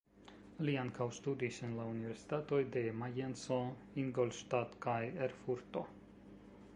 Li ankaŭ studis en la Universitatoj de Majenco, Ingolstadt kaj Erfurto.